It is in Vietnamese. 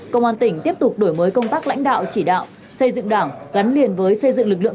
công an tỉnh tiếp tục đổi mới công tác lãnh đạo chỉ đạo xây dựng đảng gắn liền với xây dựng lực lượng